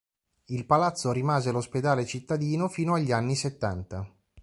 Il palazzo rimase l'ospedale cittadino fino agli anni settanta.